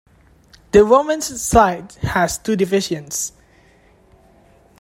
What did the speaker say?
The Women's side has two divisions.